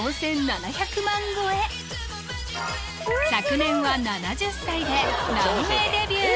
昨年は７０歳でランウェイデビュー！